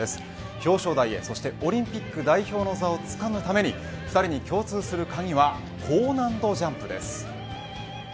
表彰台へ、そしてオリンピック代表の座をつかむために２人に共通する鍵は高難度ジャンプです。